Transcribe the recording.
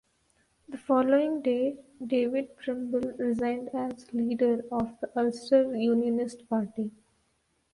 The following day David Trimble resigned as leader of the Ulster Unionist Party.